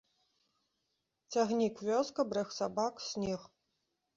Цягнік, вёска, брэх сабак, снег.